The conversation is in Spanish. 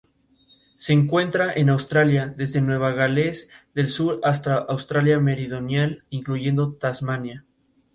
Nació en Leith, cerca de Edimburgo, estudiando en la universidad de esta última ciudad.